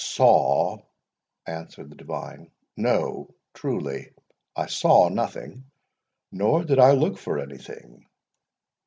"Saw?" answered the divine; "no, truly, I saw nothing, nor did I look for anything.